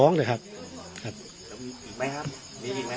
แล้วมีอีกไหมครับมีอีกไหม